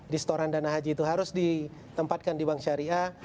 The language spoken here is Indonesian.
di setoran dana haji itu harus ditempatkan di bank syariah